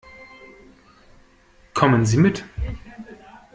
Kommen Sie mit.